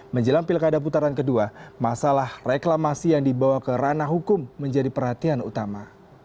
menjelang pilkada putaran kedua masalah reklamasi yang dibawa ke ranah hukum menjadi perhatian utama